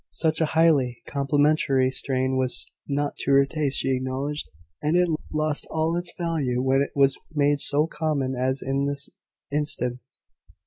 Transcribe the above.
Such a highly complimentary strain was not to her taste, she acknowledged; and it lost all its value when it was made so common as in this instance.